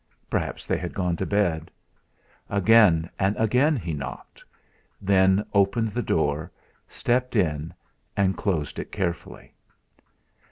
Perhaps they had gone to bed. Again and again he knocked, then opened the door, stepped in, and closed it carefully.